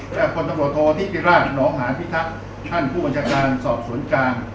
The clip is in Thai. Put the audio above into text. และคนตำรวจโทษธิติราชหนองหาพิทักษ์ท่านผู้บัญชาการสอบสวนกลาง